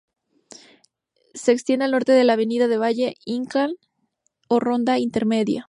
Se extiende al norte de la Avenida de Valle Inclán o Ronda Intermedia.